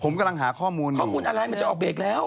ผมกำลังหาข้อมูลข้อมูลอะไรมันจะออกเบรกแล้ว